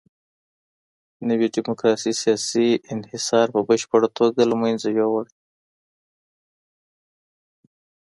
نوي ډيموکراسۍ سياسي انحصار په بشپړه توګه له منځه يووړ.